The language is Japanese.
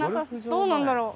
どうなんだろう？